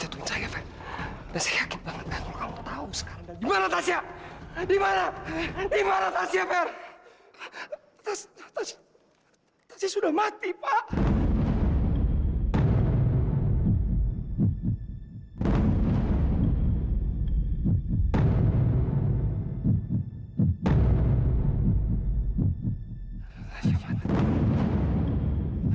tasya sudah mati pak